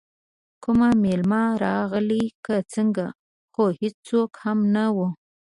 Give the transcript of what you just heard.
کوم میلمه راغلی که څنګه، خو هېڅوک هم نه وو.